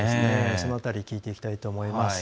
その辺り聞いていきたいと思います。